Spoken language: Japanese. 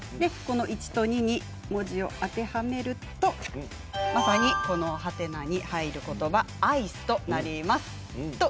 １と２に文字を当てはめると「？」に入ることばが「あいすアイス」となります。